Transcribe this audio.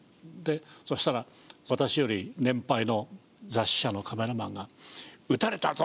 そしたら私より年配の雑誌社のカメラマンが「撃たれたぞ！」